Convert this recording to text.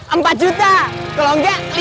empat juta kalau enggak